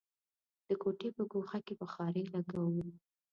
د کوټې په ګوښه کې بخارۍ لګوو.